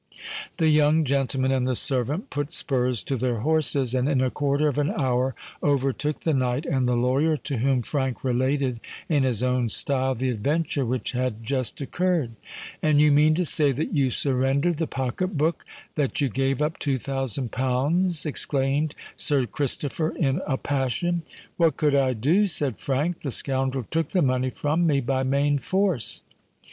The young gentleman and the servant put spurs to their horses, and in a quarter of an hour overtook the knight and the lawyer, to whom Frank related in his own style the adventure which had just occurred. "And you mean to say that you surrendered the pocket book—that you gave up two thousand pounds?" exclaimed Sir Christopher, in a passion. "What could I do?" said Frank. "The scoundrel took the money from me by main force."